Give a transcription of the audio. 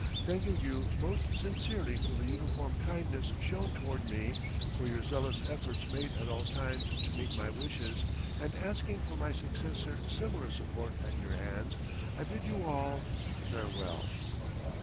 Thanking you most sincerely for the uniform kindness shown toward me, for your zealous efforts made at all times to meet my wishes, and asking for my successor similar support at your hands, I bid you all farewell.